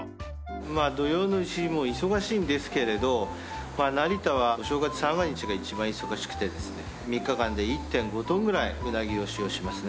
まあ土用の丑も忙しいんですけれど成田はお正月三が日が一番忙しくてですね３日間で１．５トンぐらいうなぎを使用しますね。